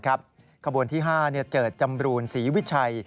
ขบวนที่๕เจิดจำรูนศรีวิชัย